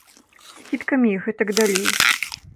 Скідкамі і гэтак далей.